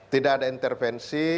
tidak ada intervensi